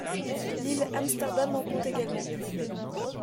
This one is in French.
L'Île Amsterdam en compte également.